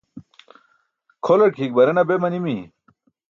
Kholar ke hik barena be manimi?